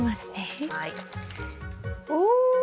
お！